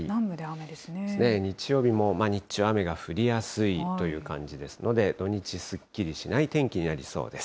日曜日も日中雨が降りやすいという感じですので、土日、すっきりしない天気になりそうです。